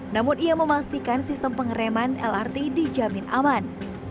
namun ia memastikan sistem pengereman lrt dijamin aman